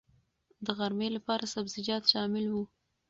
د غرمې لپاره سبزيجات شامل وو.